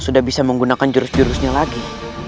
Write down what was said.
sudah bisa menggunakan jurus jurusnya lagi